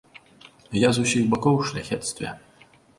Я з усіх бакоў у шляхецтве.